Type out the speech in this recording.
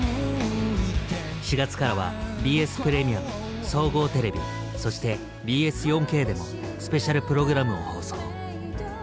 ４月からはＢＳプレミアム総合テレビそしてＢＳ４Ｋでもスペシャルプログラムを放送。